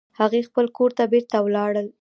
هغوی خپل کور ته بیرته ولاړل